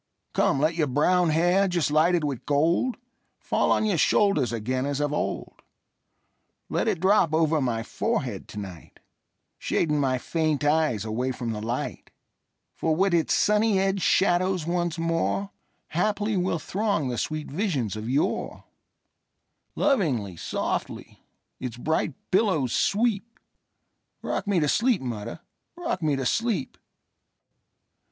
Come, let your brown hair, just lighted with gold, Fall on your shoulders again as of old; Let it drop over my forehead to night, Shading my faint eyes away from the light; For with its sunny edged shadows once moreHaply will throng the sweet visions of yore; Lovingly, softly, its bright billows sweep;—Rock me to sleep, mother,—rock me to sleep!